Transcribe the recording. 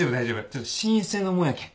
ちょっと心因性のもんやけん。